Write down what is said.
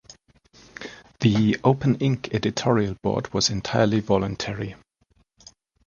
The OpenInk Editorial board was entirely voluntary.